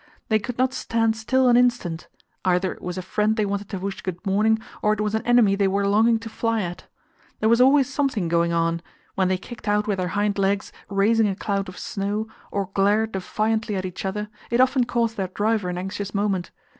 They could not stand still an instant; either it was a friend they wanted to wish good morning, or it was an enemy they were longing to fly at. There was always something going on; when they kicked out with their hind legs, raising a cloud of snow, or glared defiantly at each other, it often caused their driver an anxious moment.